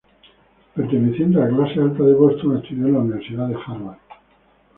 Perteneciente a la clase alta de Boston, estudió en la Universidad de Harvard.